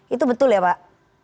itu betul ya pak